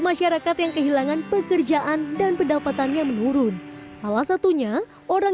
masyarakat yang kehilangan pekerjaan dan pendapatannya menurun salah satunya orang